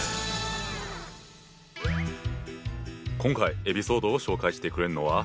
今回エピソードを紹介してくれるのは。